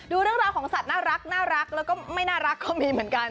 ดูเรื่องราวของสัตว์น่ารักแล้วก็ไม่น่ารักก็มีเหมือนกัน